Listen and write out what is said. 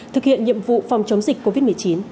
thực hiện nhiệm vụ phòng chống dịch covid một mươi chín